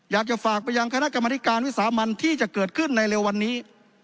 อยากจะฝากไปยังคณะกรรมธิการวิสามันที่จะเกิดขึ้นในเร็ววันนี้